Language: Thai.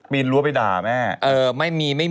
รั้วไปด่าแม่